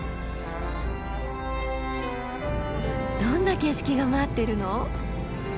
どんな景色が待ってるの？